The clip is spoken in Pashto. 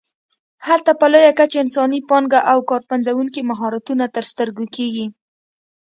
هلته په لویه کچه انساني پانګه او کار پنځوونکي مهارتونه تر سترګو کېږي.